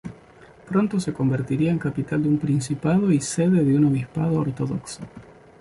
Pronto se convertiría en capital de un principado y sede de un obispado ortodoxo.